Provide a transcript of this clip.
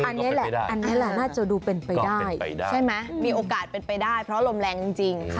อันนี้แหละอันนี้แหละน่าจะดูเป็นไปได้ใช่ไหมมีโอกาสเป็นไปได้เพราะลมแรงจริง